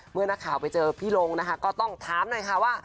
เมื่อนักข่าวไปเจอพี่ลงนะคะก็ต้องถามหน่อยค่ะว่า